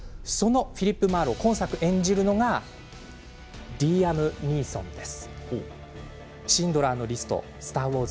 そのフィリップ・マーロウを今作で演じるのがリーアム・ニーソンです。